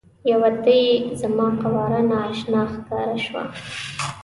یوه ته یې زما قواره نا اشنا ښکاره شوه.